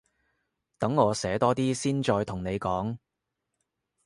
等我寫多啲先再同你講